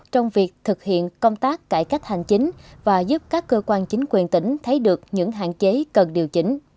trong việc thực hiện công tác cải cách hành chính và giúp các cơ quan chính quyền tỉnh thấy được những hạn chế cần điều chỉnh